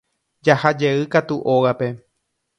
Jahajey katu ógape.